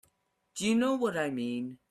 Do you know what I mean?